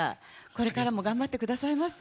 これからも頑張ってくださいませ。